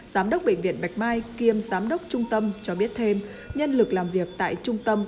giám đốc bệnh viện bạch mai kiêm giám đốc trung tâm cho biết thêm nhân lực làm việc tại trung tâm